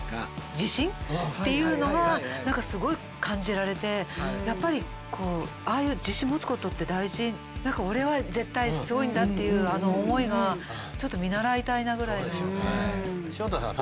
自信っていうのは何かすごい感じられてやっぱりああいう何か俺は絶対すごいんだっていう思いがちょっと見習いたいなぐらいの。